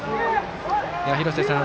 廣瀬さん